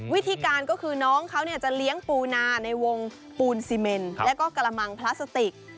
วิธีการก็คือน้องเขาจะเลี้ยงปูนาในวงปูนซีเมนแล้วก็กระมังพลาสติก